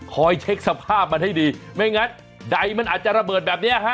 เช็คสภาพมันให้ดีไม่งั้นใดมันอาจจะระเบิดแบบนี้ฮะ